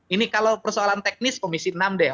ini kalau persoalan teknis komisi enam deh